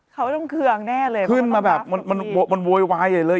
เขาต้องเคืองแน่เลยขึ้นมาแบบมันมันโวยวายใหญ่เลย